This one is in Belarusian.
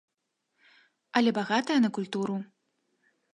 Але багатая на культуру.